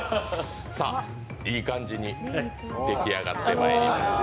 さあ、いい感じに出来上がってまいりました。